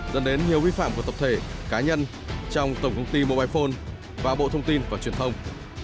dẫn đến nhiều vi phạm của tập thể cá nhân trong tổng công ty mobile phone và bộ thông tin và truyền thông